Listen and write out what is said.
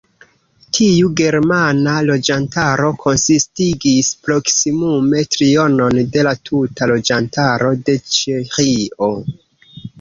Tiu germana loĝantaro konsistigis proksimume trionon de la tuta loĝantaro de Ĉeĥio.